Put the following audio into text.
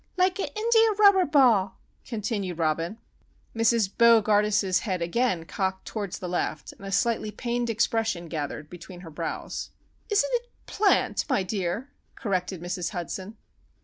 "—like an india rubber ball," continued Robin. Mrs. Bo gardus's head again cocked towards the left, and a slightly pained expression gathered between her brows. "Isn't it plant, my dear?" corrected Mrs. Hudson.